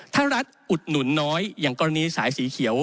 ถ้ารัฐอุดหนุนน้อยอย่างกรณีสายสีเขียว